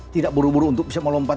tidak buru buru untuk bisa melompat